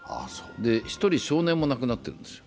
１人、少年も亡くなってるんですよ。